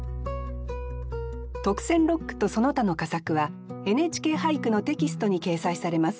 特選六句とその他の佳作は「ＮＨＫ俳句」のテキストに掲載されます。